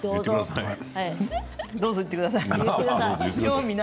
どうぞ、言ってください。